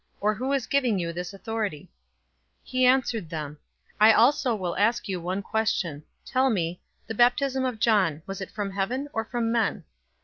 Or who is giving you this authority?" 020:003 He answered them, "I also will ask you one question. Tell me: 020:004 the baptism of John, was it from heaven, or from men?"